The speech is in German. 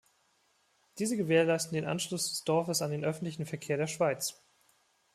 Diese gewährleisten den Anschluss des Dorfes an den öffentlichen Verkehr der Schweiz.